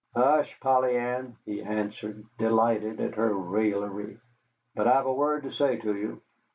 "Hush, Polly Ann," he answered, delighted at her raillery. "But I've a word to say to you.